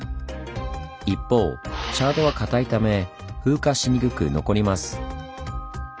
一方チャートは硬いため風化しにくく残ります。